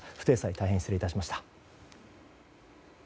大変失礼いたしました。